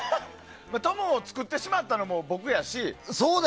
トムを作ってしまったのも僕やし。